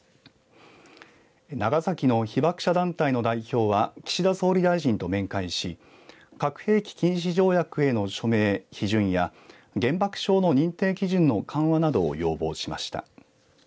長崎の被爆者団体の代表は岸田総理大臣と面会し核兵器禁止条約への署名、批准や原爆症の認定基準の緩和などを要望しました。